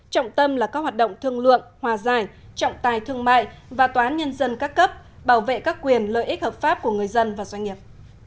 trọng tâm là các hoạt động thương lượng hòa giải trọng tài thương mại và tòa án nhân dân các cấp bảo vệ các quyền lợi ích hợp pháp của người dân và doanh nghiệp